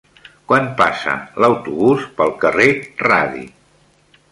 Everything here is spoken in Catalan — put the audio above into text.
Quan passa l'autobús pel carrer Radi?